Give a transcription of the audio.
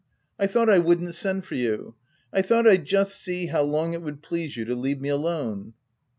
" I thought I wouldn't send for you ; I thought I'd just see — how long it would please you to leave me alone."